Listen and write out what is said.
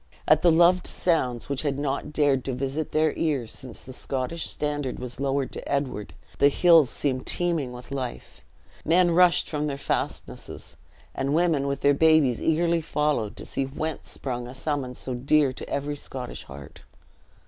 At the loved sounds which had not dared to visit their ears since the Scottish standard was lowered to Edward, the hills seemed teeming with life. Men rushed from their fastnesses, and women with their babes eagerly followed to see whence sprung a summons so dear to every Scottish heart.